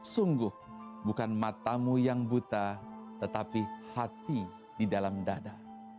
sungguh bukan matamu yang buta tetapi hati di dalam dada